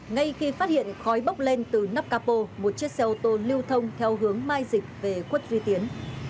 ngay khi phát hiện khói bốc lên từ nắp capo một chiếc xe ô tô lưu thông theo hướng mai dịch về quất duy tiến